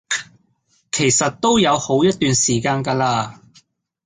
其實都有好一段時間架喇